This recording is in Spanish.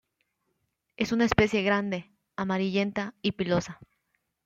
Es una especie grande, amarillenta, y pilosa.